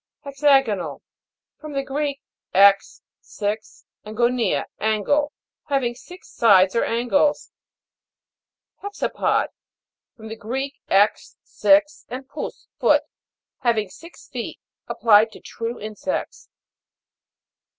HEXA'GONAL. From the Greek, 'ex, six, and gonia, angle. Having six sides or angles. HEX' APOD. From the Greek, 'ex, six, and pous, foot. Having six feet. Applied to true insects.